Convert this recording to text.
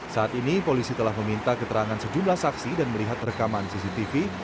saat ini polisi telah meminta keterangan sejumlah saksi dan melihat rekaman cctv